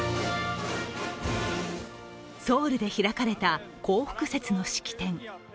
ソウルで開かれた光復節の式典。